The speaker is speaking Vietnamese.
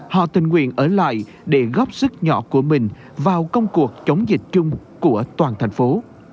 họ tình nguyện ở lại để góp sức nhỏ của mình vào công cuộc chống dịch chung của toàn thành phố